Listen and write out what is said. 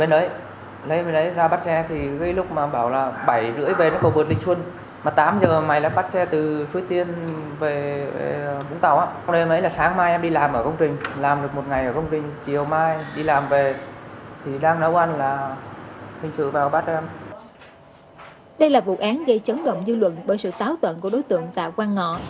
đây là vụ án gây chấn động dư luận bởi sự táo tận của đối tượng tạ quang ngọ